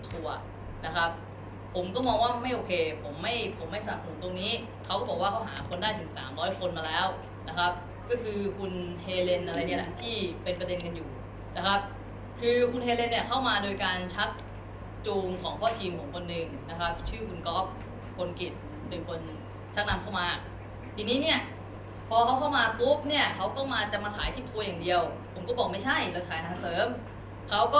๑๐ทัวร์นะครับผมก็มองว่าไม่โอเคผมไม่ผมไม่สนับสนุนตรงนี้เขาก็บอกว่าเขาหาคนได้ถึง๓๐๐คนมาแล้วนะครับก็คือคุณเฮเลนอะไรเดี๋ยวที่เป็นประเด็นกันอยู่นะครับคือคุณเฮเลนเนี่ยเข้ามาโดยการชัดจูงของพ่อทีมของคนหนึ่งนะครับชื่อคุณก๊อฟคนกิจเป็นคนชัดนำเข้ามาทีนี้เนี่ยพอเขาเข้ามาปุ๊บเนี่ยเขาก็มาจะมาถ่ายที่ทั